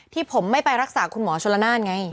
ที่ผมไม่ไปรักษาคุณหมอชนละนานไง